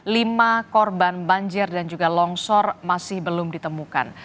lima korban banjir dan juga longsor masih belum ditemukan